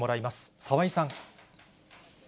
澤井さん。